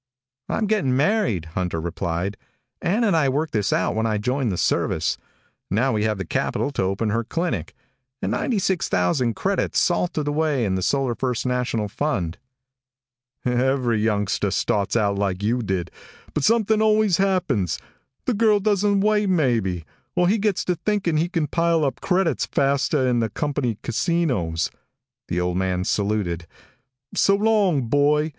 "I'm getting married," Hunter replied. "Ann and I worked this out when I joined the service. Now we have the capital to open her clinic and ninety six thousand credits, salted away in the Solar First National Fund." "Every youngster starts out like you did, but something always happens. The girl doesn't wait, maybe. Or he gets to thinking he can pile up credits faster in the company casinos." The old man saluted. "So long, boy.